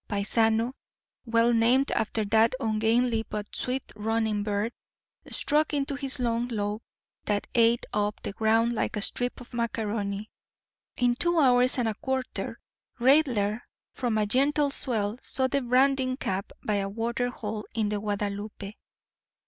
Paisano, well named after that ungainly but swift running bird, struck into his long lope that ate up the ground like a strip of macaroni. In two hours and a quarter Raidler, from a gentle swell, saw the branding camp by a water hole in the Guadalupe.